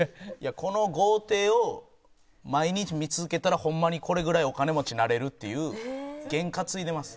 この豪邸を毎日見続けたらホンマにこれぐらいお金持ちになれるっていう験担いでます。